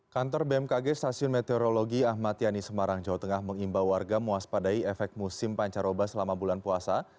kantor bmkg stasiun meteorologi ahmad yani semarang jawa tengah mengimbau warga muas padai efek musim pancar oba selama bulan puasa